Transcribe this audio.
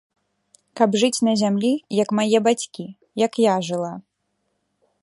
Каб жыць на зямлі, як мае бацькі, як я жыла.